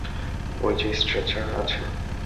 ওই যে স্ট্রেচারে আছে।